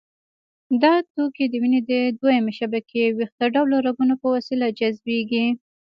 دا توکي د وینې د دویمې شبکې ویښته ډوله رګونو په وسیله جذبېږي.